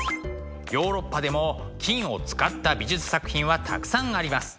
ヨーロッパでも金を使った美術作品はたくさんあります。